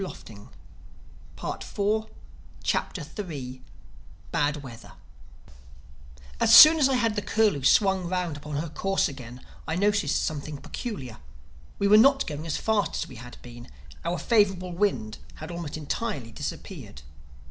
THE THIRD CHAPTER BAD WEATHER AS soon as I had the Curlew swung round upon her course again I noticed something peculiar: we were not going as fast as we had been. Our favorable wind had almost entirely disappeared.